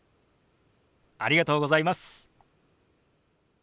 ありがとうございます。